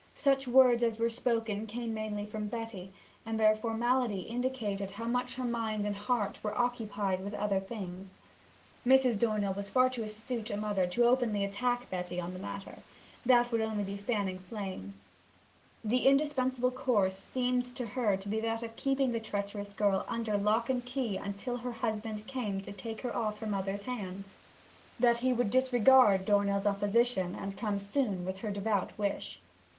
Such words as were spoken came mainly from Betty, and their formality indicated how much her mind and heart were occupied with other things. Mrs. Dornell was far too astute a mother to openly attack Betty on the matter. That would be only fanning flame. The indispensable course seemed to her to be that of keeping the treacherous girl under lock and key till her husband came to take her off her mother's hands. That he would disregard Dornell's opposition, and come soon, was her devout wish.